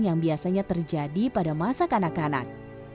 yang biasanya terjadi pada masa kanak kanak